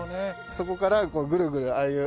そこからぐるぐるああいう。